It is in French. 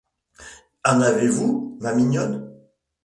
En avez-vous, ma mignonne ?